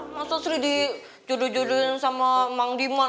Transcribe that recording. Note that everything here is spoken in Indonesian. masa sri dicuduh cuduhin sama mang diman